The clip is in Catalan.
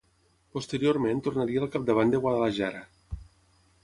Posteriorment tornaria al capdavant de Guadalajara.